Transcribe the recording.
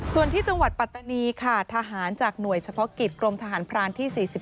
ส่วนที่จังหวัดปัตตานีค่ะทหารจากหน่วยเฉพาะกิจกรมทหารพรานที่๔๑